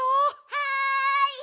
はい！